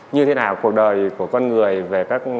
như thế nào cuộc đời của con người về các